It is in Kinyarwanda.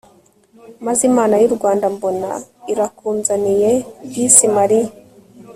maze imana y'u rwanda mbona irakunzaniye disi mariya